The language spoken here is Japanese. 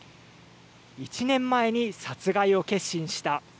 １年前に殺害を決心した。